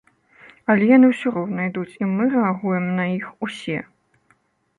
Але яны ўсё роўна ідуць, і мы рэагуем на іх усе.